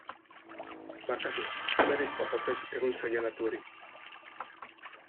Barkatu, berriz pasa zait egun seinalatu hori.